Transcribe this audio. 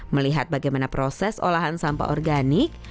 melihat bagaimana proses olahan sampah organik